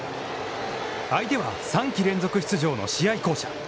相手は３季連続出場の試合巧者。